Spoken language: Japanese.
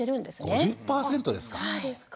５０％ですか。